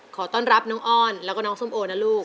ขอต้อนรับน้องอ้อนแล้วก็น้องส้มโอนะลูก